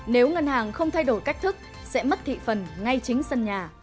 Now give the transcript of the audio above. nếu ngân hàng không thay đổi cách thức sẽ mất thị phần ngay chính sân nhà